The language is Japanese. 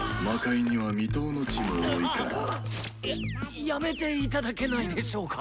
ややめて頂けないでしょうか。